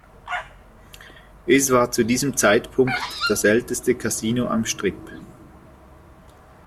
Es war zu diesem Zeitpunkt das älteste Casino am Strip.